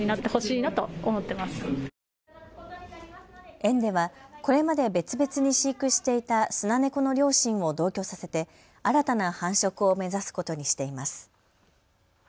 園では、これまで別々に飼育していたスナネコの両親を同居させて新たな繁殖を目指すことにしています。